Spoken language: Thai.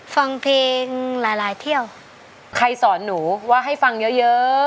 ฟังเพลงหลายหลายเที่ยวใครสอนหนูว่าให้ฟังเยอะเยอะ